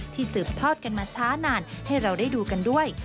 สืบทอดกันมาช้านานให้เราได้ดูกันด้วย